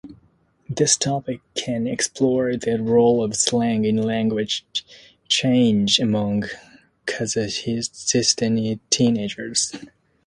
This topic can explore the role of slang in language change among Kazakhstani teenagers.